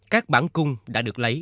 các bản cung đã được lấy